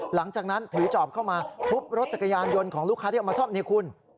หลังจากนั้นถือจอบเข้ามาทุบรถจักรยานยนต์ของลูกค้าที่เอามาซ่อมนี่คุณ